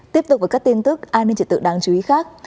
tiếp tục với các tin tức an ninh triệt tượng đáng chú ý khác